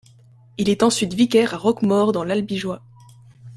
Il est ensuite vicaire à Roquemaure dans l'Albigeois.